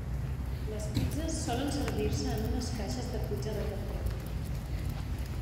Les pizzes solen servir-se en unes caixes de pizza de Cartó.